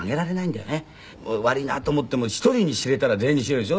悪いなと思っても１人に知れたら全員に知れるでしょ。